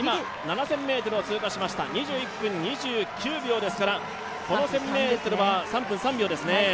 ７０００ｍを通過しました２１分２９秒ですから、この１０００ｍは３分３秒ですね。